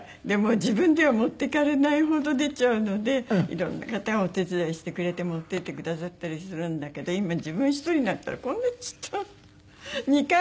で自分では持ってかれないほど出ちゃうので色んな方がお手伝いしてくれて持っていってくださったりするんだけど今自分１人になったらこんなちっちゃい。